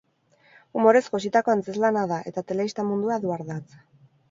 Umorez jositako antzezlana da eta telebista mundua du ardatz.